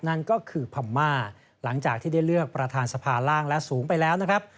นั่นก็คือพม่าหลังจากที่ได้เลือกประธานสภาร่างและสูงไปแล้วนะครับ